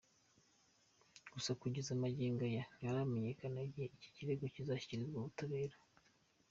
Gusa kugeza magingo aya ntiharamenyekana, igihe iki kirego kizashyikirizwa ubutabera.